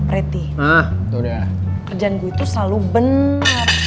reti kerjaan gue itu selalu benar